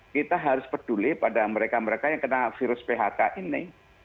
kita harus peduli pada mereka mereka yang kena virus phk ini